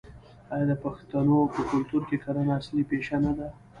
آیا د پښتنو په کلتور کې کرنه اصلي پیشه نه ده؟